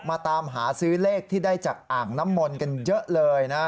ตามหาซื้อเลขที่ได้จากอ่างน้ำมนต์กันเยอะเลยนะ